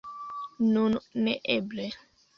Nun neeble!